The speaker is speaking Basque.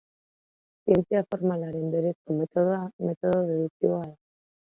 Zientzia formalaren berezko metodoa metodo deduktiboa da.